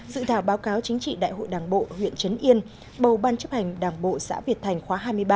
dự thảo báo cáo chính trị đại hội đảng bộ huyện trấn yên bầu ban chấp hành đảng bộ xã việt thành khóa hai mươi bảy